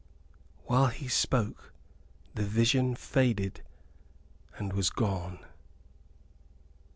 While he spoke the vision faded and was gone.